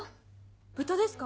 豚ですか？